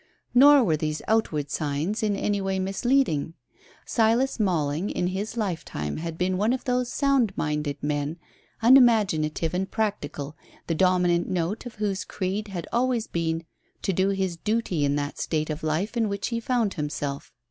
Nor were these outward signs in any way misleading. Silas Malling in his lifetime had been one of those sound minded men, unimaginative and practical, the dominant note of whose creed had always been to do his duty in that state of life in which he found himself.